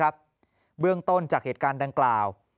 เบื้องต้นจากเหตุการณ์ดังกล่าว